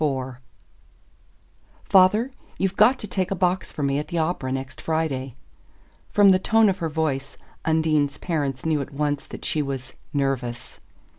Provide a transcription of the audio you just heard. IV "Father, you've got to take a box for me at the opera next Friday." From the tone of her voice Undine's parents knew at once that she was "nervous."